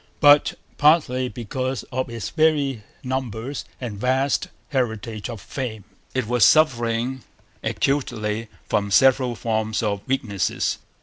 But, partly because of its very numbers and vast heritage of fame, it was suffering acutely from several forms of weakness.